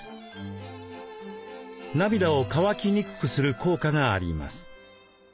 涙を乾きにくくする効果があります。